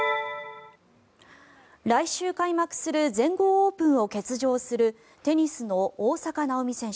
来週開幕する全豪オープンを欠場するテニスの大坂なおみ選手。